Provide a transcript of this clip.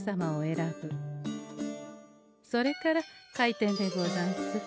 それから開店でござんす。